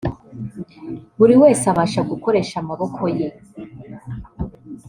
Buri wese abasha gukoresha amaboko ye